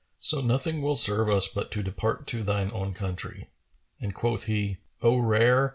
So nothing will serve us but to depart to thine own country." And quoth he, "O rare!